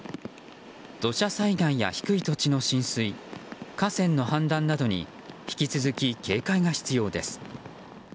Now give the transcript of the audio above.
土砂災害や低い土地の浸水河川の氾濫などに引き続き警戒が必要です。